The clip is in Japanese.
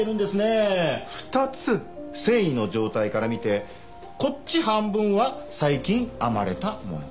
繊維の状態から見てこっち半分は最近編まれたもの。